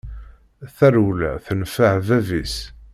Tarewla tenfeɛ bab-is.